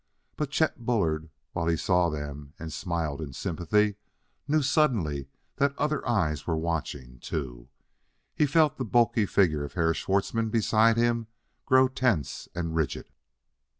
But Chet Bullard, while he saw them and smiled in sympathy, knew suddenly that other eyes were watching, too; he felt the bulky figure of Herr Schwartzmann beside him grow tense and rigid.